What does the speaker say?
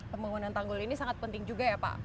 pembangunan tanggul ini sangat penting juga ya pak